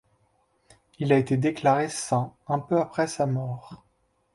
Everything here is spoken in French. Il a été déclaré saint un peu après sa mort.